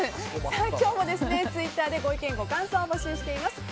今日もツイッターでご意見、ご感想を募集しています。